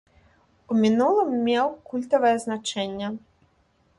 У мінулым меў культавае значэнне.